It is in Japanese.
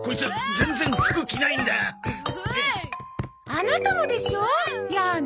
アナタもでしょ？やーね。